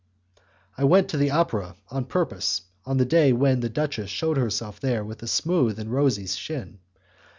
I went to the opera on purpose on the day when the duchess shewed herself there with a smooth and rosy skin.